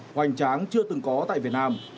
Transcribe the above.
hoành tráng chưa từng có tại việt nam